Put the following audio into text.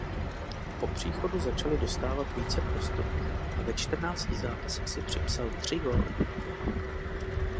Po příchodu začal dostávat více prostoru a ve čtrnácti zápasech si připsal tři góly.